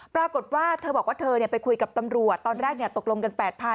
ปรากฏว่าเธอบอกว่าเธอไปคุยกับตำรวจตอนแรกตกลงกัน๘๐๐๐